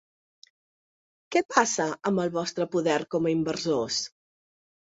Què passa amb el vostre poder com a inversors?